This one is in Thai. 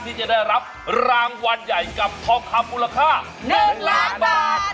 ที่จะได้รับรางวัลใหญ่กับทองคำมูลค่า๑ล้านบาท